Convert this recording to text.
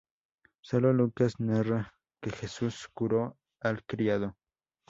Sólo Lucas narra que Jesús curó al criado.